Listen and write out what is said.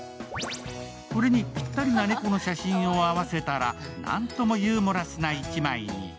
これにぴったりな猫の写真を合わせたら、なんともユーモラスな一枚に。